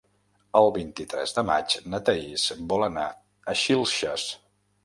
El vint-i-tres de maig na Thaís vol anar a Xilxes.